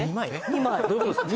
どういうことですか？